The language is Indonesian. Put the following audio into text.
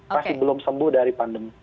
masih belum sembuh dari pandemi